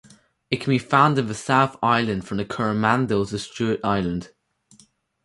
It can be found in the South Island from the Coromandel to Stewart Island.